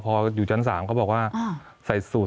มีความรู้สึกว่ามีความรู้สึกว่า